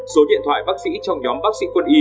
số điện thoại bác sĩ trong nhóm bác sĩ quân y